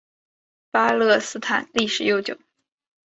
巴勒斯坦历史悠久。